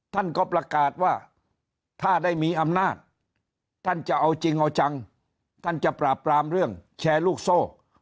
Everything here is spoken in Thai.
ท่านก็ประกาศว่าถ้าได้มีอำนาจท่านจะเอาจริงเอาจังท่านจะปราบปรามเรื่องแชร์ลูกโซ่